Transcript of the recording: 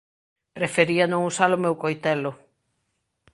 Prefería non usar o meu coitelo.